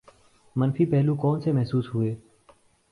، منفی پہلو کون سے محسوس ہوئے؟